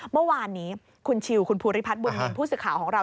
เมื่อวานนี้คุณชิวคุณภูริพัฒนบุญนินทร์ผู้สื่อข่าวของเรา